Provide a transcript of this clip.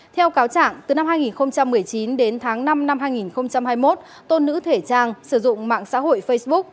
theo cáo trạng từ năm hai nghìn một mươi chín đến tháng năm năm hai nghìn hai mươi một tôn nữ thể trang sử dụng mạng xã hội facebook